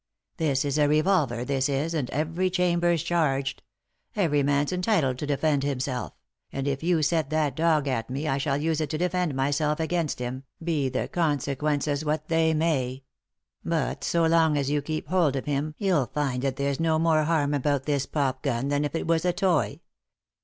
"This is a revolver, this is, and every chamber's charged. Every man's entitled to defend himself; and if you set that dog at me I shall use it to defend myself against him, be the consequences what they may. But so long as you keep hold of him you'll find that there's no more harm about this pop gun than if it was a toy."